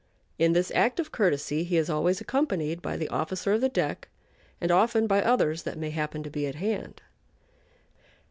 In this act of courtesy he is always accompanied by the officer of the deck, and often by others that may happen to be at hand.